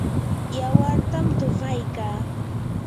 yawartam tuqaykaa.